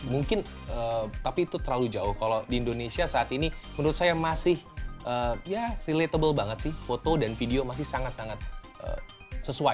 mungkin tapi itu terlalu jauh kalau di indonesia saat ini menurut saya masih ya relatable banget sih foto dan video masih sangat sangat sesuai